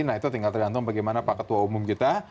nah itu tinggal tergantung bagaimana pak ketua umum kita